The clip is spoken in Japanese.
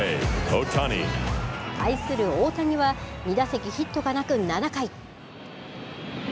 対する大谷は２打席ヒットがなく、７回。